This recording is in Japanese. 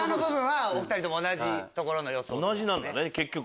同じなんだ結局。